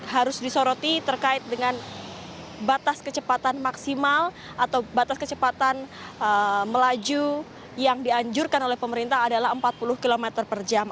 harus disoroti terkait dengan batas kecepatan maksimal atau batas kecepatan melaju yang dianjurkan oleh pemerintah adalah empat puluh km per jam